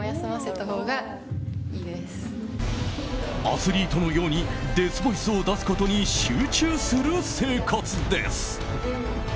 アスリートのようにデスボイスを出すことに集中する生活です。